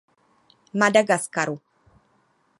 Madagaskaru.